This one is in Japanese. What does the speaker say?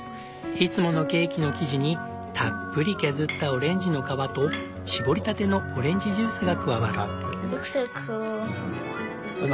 いつものケーキの生地にたっぷり削ったオレンジの皮と搾りたてのオレンジジュースが加わる。